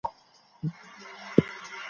په هډوکو او په غوښو دایم موړ ؤ